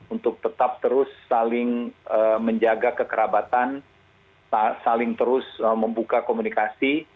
untuk tetap terus saling menjaga kekerabatan saling terus membuka komunikasi